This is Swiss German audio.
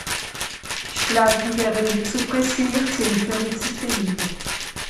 Ìch gläub, die wäre nìtt so presseert sìn, fer ne ze fìnde.